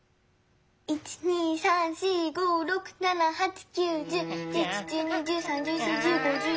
１２３４５６７８９１０１１１２１３１４１５１６。